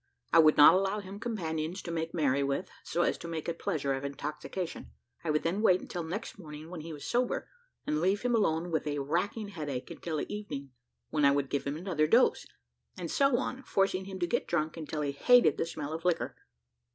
I would not allow him companions to make merry with, so as to make a pleasure of intoxication. I would then wait until next morning when he was sober, and leave him alone with a racking headache until the evening, when I would give him another dose, and so on, forcing him to get drunk until he hated the smell of liquor."